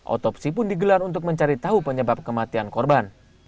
otopsi pun digelar untuk mencari tahu penyebab kematian korban